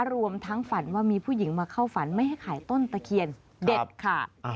รวมทั้งฝันว่ามีผู้หญิงมาเข้าฝันไม่ให้ขายต้นตะเคียนเด็ดค่ะ